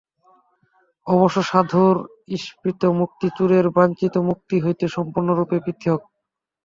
অবশ্য সাধুর ঈপ্সিত মুক্তি চোরের বাঞ্ছিত মুক্তি হইতে সম্পূর্ণরূপে পৃথক্।